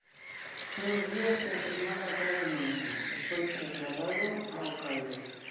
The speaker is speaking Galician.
Nuns días enfermaba gravemente e foi trasladado a O Cairo.